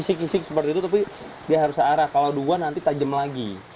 kisik kisik seperti itu tapi dia harus ada arah kalau dua nanti tajem lagi